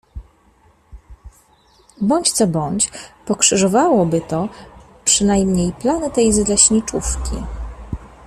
Bądź co bądź pokrzyżowałoby to przynajmniej plany tej z leśniczówki.